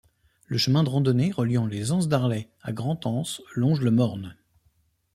Le chemin de randonnée reliant Les Anses-d'Arlet à Grande Anse longe le morne.